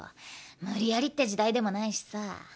無理やりって時代でもないしさ。